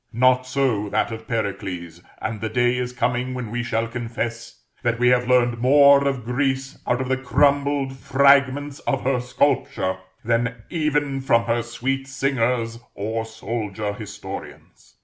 Not so that of Pericles: and the day is coming when we shall confess, that we have learned more of Greece out of the crumbled fragments of her sculpture than even from her sweet singers or soldier historians.